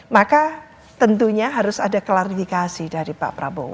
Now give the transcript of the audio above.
maka tentunya harus ada klarifikasi dari pak prabowo